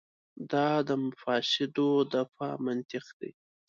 دا د مفاسدو دفع منطق دی.